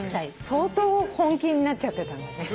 相当本気になっちゃってたんだね。